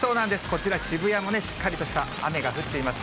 こちら渋谷もね、しっかりとした雨が降っています。